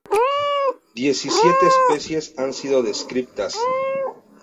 Diecisiete especies han sido descriptas.